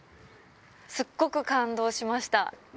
すっごく感動しました。